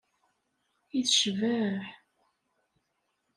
I tecbeḥ!